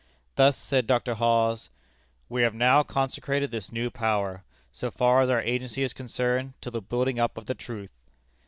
Thus said Dr. Hawes "we have now consecrated this new power, so far as our agency is concerned, to the building up of the truth."